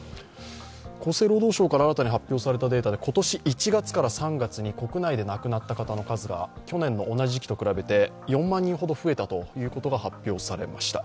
厚生労働省から新たに発表されたデータで今年１月から３月に国内で亡くなった方の数が去年の同じ時期と比べて４万人ほど増えたと発表されました。